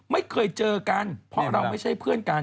ไม่เคยเจอกันเพราะเราไม่ใช่เพื่อนกัน